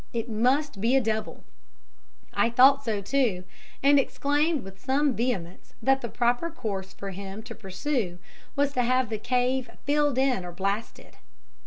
It must be a devil." I thought so, too, and exclaimed with some vehemence that the proper course for him to pursue was to have the cave filled in or blasted.